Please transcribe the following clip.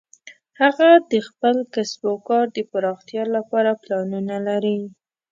هغه د خپل کسب او کار د پراختیا لپاره پلانونه لري